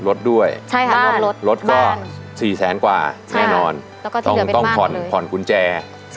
ลดด้วยลดก็๔แสนกว่าแน่นอนต้องขอนขุนแจ